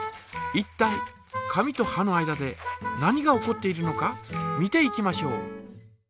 いったい紙とはの間で何が起こっているのか見ていきましょう。